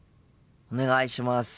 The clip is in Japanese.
お願いします。